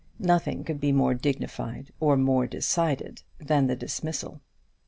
Nothing could be more dignified or more decided than the dismissal.